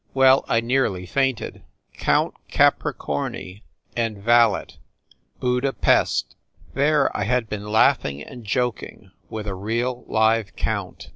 Well, I nearly fainted. "Count Capricorni and valet, Bnda Pesth." There I had been laughing and joking with a real, live count